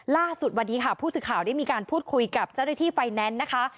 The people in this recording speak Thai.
ล่าสุดวันนี้ค่ะผู้สื่อข่าวได้มีการพูดคุยกับเจ้าหน้าที่ไฟแนนซ์นะคะ